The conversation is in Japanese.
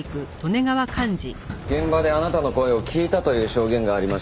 現場であなたの声を聞いたという証言がありまして。